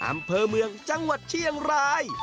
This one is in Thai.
อำเภอเมืองจังหวัดเชียงราย